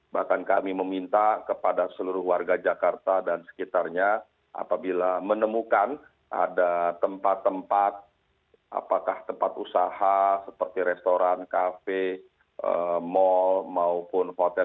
bahkan kami meminta kepada seluruh warga jakarta dan sekitarnya apabila menemukan ada tempat tempat apakah tempat usaha seperti restoran kafe mal maupun hotel